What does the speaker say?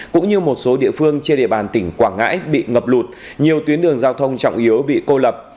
cũng như một số địa phương trên địa bàn tỉnh quảng ngãi bị ngập lụt nhiều tuyến đường giao thông trọng yếu bị cô lập